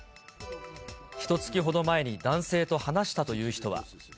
ひとつきほど前に、男性と話したという人は。